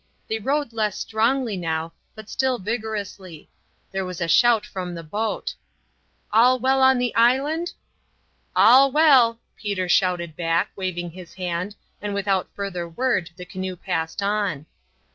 They rowed less strongly now, but still vigorously. There was a shout from the boat. "All well on the island?" "All well," Peter shouted back, waving his hand, and without further word the canoe passed on.